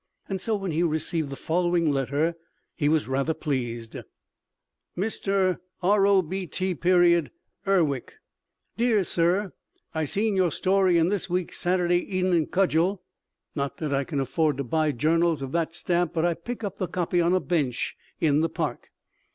And so when he received the following letter he was rather pleased: Mr. Robt. Urwick, dear sir I seen your story in this weeks Saturday Evn Cudgel, not that I can afford to buy journals of that stamp but I pick up the copy on a bench in the park.